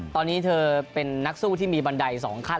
ตอนนี้เธอเป็นนักสู้ที่มีบันไดสองขั้น